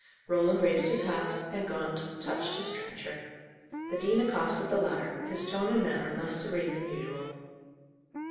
Roland raised his hat, and Gaunt touched his trencher. The dean accosted the latter, his tone and manner less serene than usual.